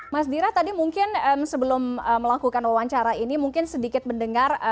mas dira tadi mungkin sebelum melakukan wawancara ini mungkin sedikit mendengar